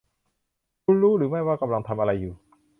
คุณรู้หรือไม่ว่ากำลังทำอะไรอยู่